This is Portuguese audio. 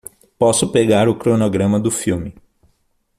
Posso pegar o cronograma do filme